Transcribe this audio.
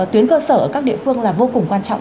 tuyến cơ sở ở các địa phương là vô cùng quan trọng